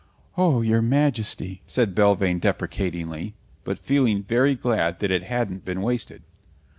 "Oh, your Majesty!" said Belvane deprecatingly, but feeling very glad that it hadn't been wasted.